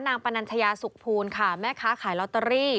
ปนัญชยาสุขภูลค่ะแม่ค้าขายลอตเตอรี่